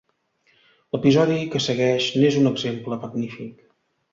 L'episodi que segueix n'és un exemple magnífic.